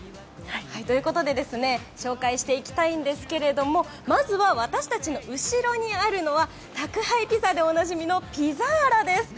ということで紹介していきたいんですがまずは私たちの後ろにあるのは宅配ピザでおなじみのピザーラです。